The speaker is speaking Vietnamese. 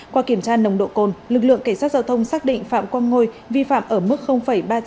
qua kiểm tra nồng độ cồn lực lượng cảnh sát giao thông xác định phạm quang ngôi vi phạm ở mức ba trăm một mươi một mg